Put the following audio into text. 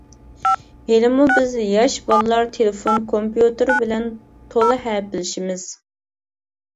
ھېلىمۇ بىز ياش بالىلار تېلېفون، كومپيۇتېر بىلەن تولا ھەپىلىشىمىز.